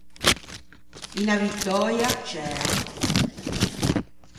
Unna vittöia ciæa.